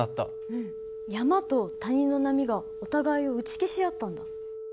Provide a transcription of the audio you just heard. うん山と谷の波がお互いを打ち消し合ったんだ。